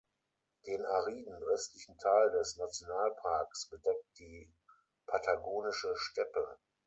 Den ariden östlichen Teil des Nationalparks bedeckt die Patagonische Steppe.